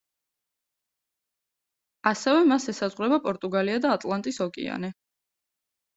ასევე მას ესაზღვრება პორტუგალია და ატლანტის ოკეანე.